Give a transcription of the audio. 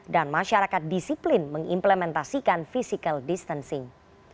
dan masyarakat disiplin mengimplementasikan physical distancing